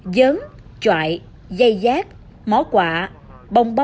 dớn chọi dây giác mó quả bông bông